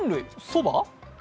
そば？